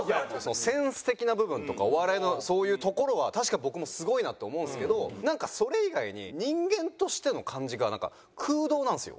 センス的な部分とかお笑いのそういうところは確かに僕もすごいなと思うんですけどなんかそれ以外に人間としての感じがなんか空洞なんですよ。